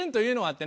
って